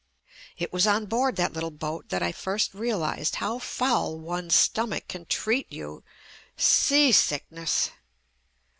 It was on board that little boat that I first realized how foul one's stomach can treat you "seasickness!"